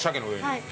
はい。